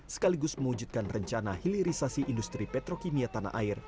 sekaligus mewujudkan rencana hilirisasi industri petrokimia tanah air